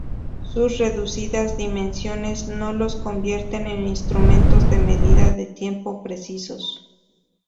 Sus reducidas dimensiones no los convierten en instrumentos de medida de tiempo precisos.